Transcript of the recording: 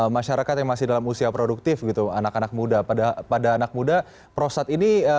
masyarakat yang masih dalam usia produktif gitu anak anak muda pada anak muda prostat ini